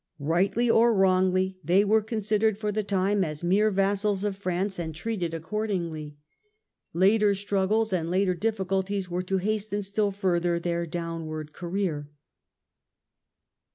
Eightly or wrongly they were considered for the time as mere vassals of France and treated accordingly. Later struggles and later difficulties were to hasten still further their downward career.